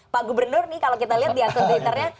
pak gubernur nih kalau kita lihat di akun twitternya